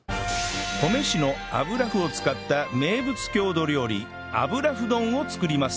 登米市の油麩を使った名物郷土料理油麩丼を作ります